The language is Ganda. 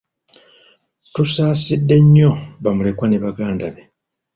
Tusaasidde nnyo bamulekwa ne Baganda be.